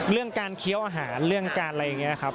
เรื่องการเคี้ยวอาหารเรื่องการอะไรอย่างนี้ครับ